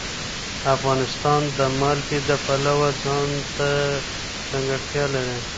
افغانستان د نمک د پلوه ځانته ځانګړتیا لري.